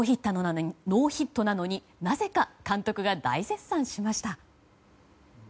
ノーヒットなのになぜか監督が大絶賛しました。